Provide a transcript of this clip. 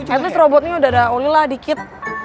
at least robotnya udah daulilah dikit